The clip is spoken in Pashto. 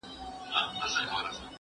زه به سبا سينه سپين کوم؟!